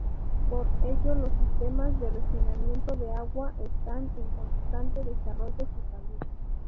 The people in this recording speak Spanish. Por ello los sistemas de refinamiento de agua están en constante desarrollo su salud.